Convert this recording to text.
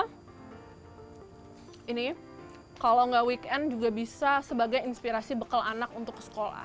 hai ini kalau enggak weekend juga bisa sebagai inspirasi bekal anak untuk ke sekolah